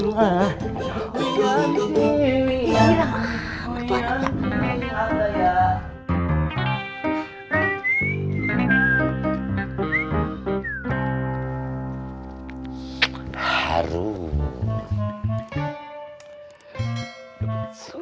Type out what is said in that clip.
apa emang masuk kamar dulu